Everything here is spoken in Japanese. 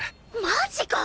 マジか！